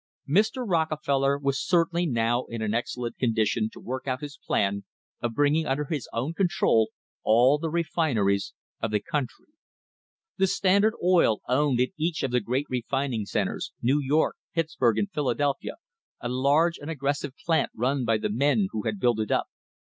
THE HISTORY OF THE STANDARD OIL COMPANY Mr. Rockefeller was certainly now in an excellent condition to work out his plan of bringing under his own control all the refineries of the country. The Standard Oil Company owned in each of the great refining centres, New York, Pittsburg and Philadelphia, a large and aggressive plant run by the men who had built it up.